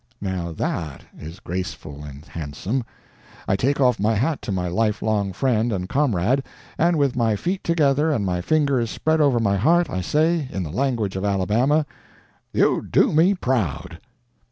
(Now that is graceful and handsome. I take off my hat to my life long friend and comrade, and with my feet together and my fingers spread over my heart, I say, in the language of Alabama, "You do me proud.")